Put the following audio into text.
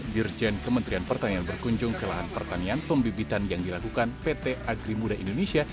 dirjen kementerian pertanian berkunjung ke lahan pertanian pembibitan yang dilakukan pt agri muda indonesia